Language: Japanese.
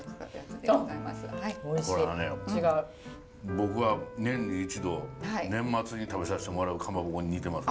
僕は年に一度年末に食べさせてもらう蒲鉾に似てます。